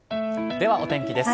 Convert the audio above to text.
では、お天気です。